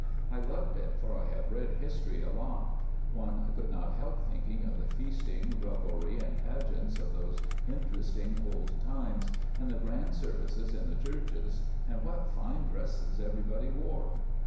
I loved it, for I have read history a lot. One could not help thinking of the feasting, revelry, and pageants of those interesting old times, and the grand services in the churches, and what fine dresses everybody wore."